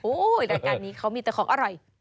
รายการนี้เขามีแต่ของอร่อย